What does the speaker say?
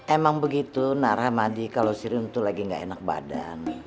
emang begitu narahmadi kalau sirun tuh lagi gak enak badan